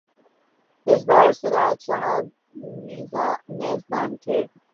اس بار سراج صاحب میزبان تھے۔